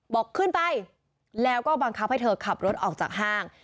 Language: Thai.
บอกขึ้นไปแล้วก็บังคับให้เธอขับรถออกจากห้าง